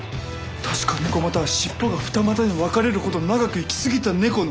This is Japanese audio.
確か猫又は尻尾が二股に分かれるほど長く生き過ぎた猫の。